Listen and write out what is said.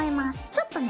ちょっとね